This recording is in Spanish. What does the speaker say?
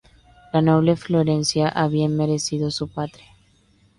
La noble Florencia ha bien merecido su patria.